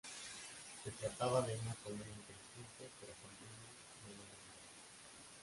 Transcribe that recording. Se trataba de una comedia inteligente, pero con ritmo melodramático.